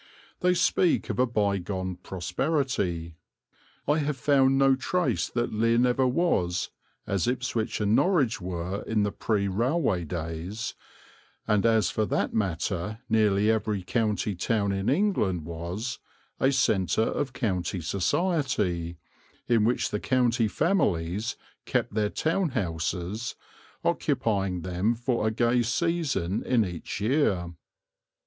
They speak of a bygone prosperity. I have found no trace that Lynn ever was, as Ipswich and Norwich were in the pre railway days, and as for that matter nearly every county town in England was, a centre of county society, in which the county families kept their town houses, occupying them for a gay season in each year.